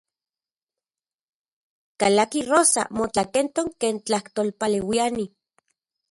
Kalaki Rosa, motlakentok ken tlajtolpaleuiani.